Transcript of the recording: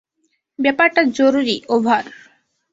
ব্যাপারটা জরুরি, ওভার।